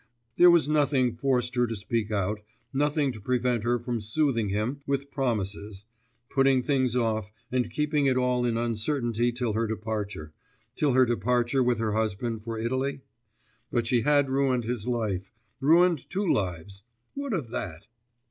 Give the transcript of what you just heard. There was nothing forced her to speak out, nothing to prevent her from soothing him with promises, putting things off, and keeping it all in uncertainty till her departure ... till her departure with her husband for Italy? But she had ruined his life, ruined two lives.... What of that?